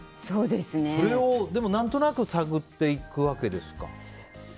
それを何となく探っていくわけですか。